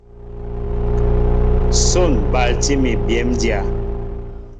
Son balti mi béndya.